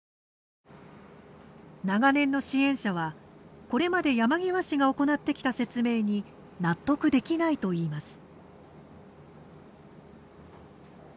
長年の支援者はこれまで山際氏が行ってきた説明に納得できないといいます。